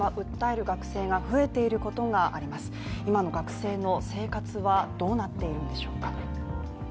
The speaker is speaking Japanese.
今の学生の生活はどうなっているんでしょうか？